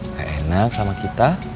nggak enak sama kita